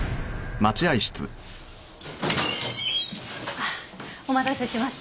あっお待たせしました。